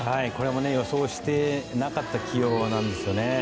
これも予想していなかった起用なんですね。